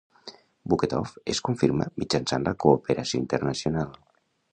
Buketov es confirma mitjançant la cooperació internacional.